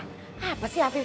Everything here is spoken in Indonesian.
jadi aku mesti caramel loh